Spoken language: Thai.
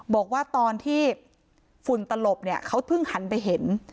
บอกว่าตอนที่ฝุ่นตลบเนี่ยเขาเพิ่งหันไปเห็น